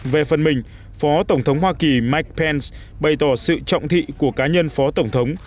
về phần mình phó tổng thống hoa kỳ mike pence bày tỏ sự trọng thị của cá nhân phó tổng thống